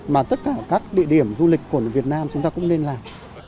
mà tất cả các địa điểm du lịch của việt nam chúng ta cũng nên làm